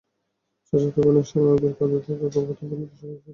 চাচাতো বোনের স্বামী আবদুল কাদের তাঁকে কলকাতা বন্দরে চাকরি জুটিয়ে দেন।